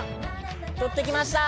採ってきました。